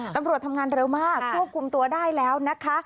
ตำรวจทำงานเร็วมากควบคุมตัวได้แล้วนะคะ